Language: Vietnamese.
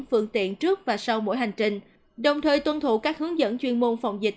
phương tiện trước và sau mỗi hành trình đồng thời tuân thủ các hướng dẫn chuyên môn phòng dịch